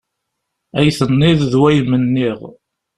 Ay tenniḍ d way m-nniɣ.